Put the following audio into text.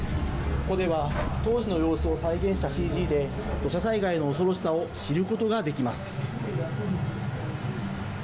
ここでは、当時の様子を再現したＣＧで、土砂災害の恐ろしさを知ることができます。